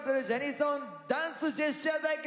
ダンスジェスチャー対決！」